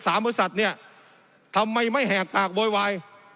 บริษัทเนี่ยทำไมไม่แหกปากโวยวาย